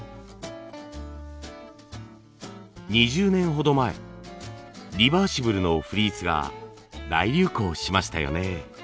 ２０年ほど前リバーシブルのフリースが大流行しましたよね。